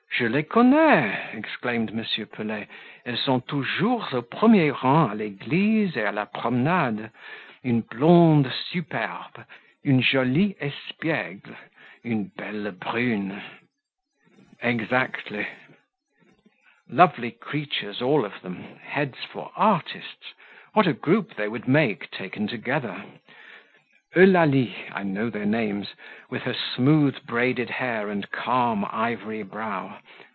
"Je les connais!" exclaimed M. Pelet. "Elles sont toujours au premier rang a l'eglise et a la promenade; une blonde superbe, une jolie espiegle, une belle brune." "Exactly." "Lovely creatures all of them heads for artists; what a group they would make, taken together! Eulalie (I know their names), with her smooth braided hair and calm ivory brow.